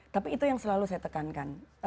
tapi itu yang selalu saya tekankan